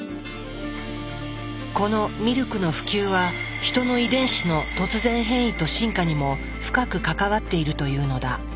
このミルクの普及はヒトの遺伝子の突然変異と進化にも深く関わっているというのだ。